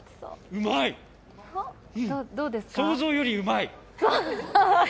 うん、想像よりうまい。